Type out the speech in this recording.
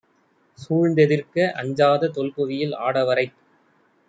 சூழ்ந்தெதிர்க்க அஞ்சாத தொல்புவியில், ஆடவரைப்